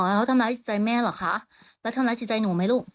อ๋อแล้วทำร้ายใจแม่เหรอคะแล้วทำร้ายใจใจหนูไหมลูก